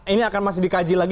ini akan masih dikaji lagi